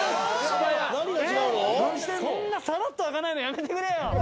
そんなさらっと開かないのやめてくれよ。